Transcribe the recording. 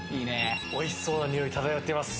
おいしそうな匂い漂っています。